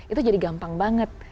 itu jadi gampang banget